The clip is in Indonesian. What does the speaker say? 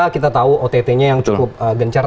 kita tahu ott nya yang cukup gencar